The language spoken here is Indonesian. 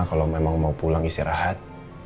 kalau mau pulang istirahat